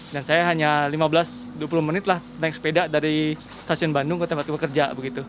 dan saya hanya lima belas dua puluh menit naik sepeda dari stasiun bandung ke tempat kerja